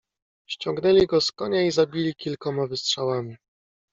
"Ściągnęli go z konia i zabili kilkoma wystrzałami."